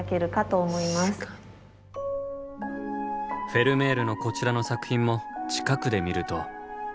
フェルメールのこちらの作品も近くで見ると。